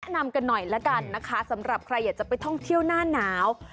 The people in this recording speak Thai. นำกันหน่อยละกันนะคะสำหรับใครอยากจะไปท่องเที่ยวหน้าหนาว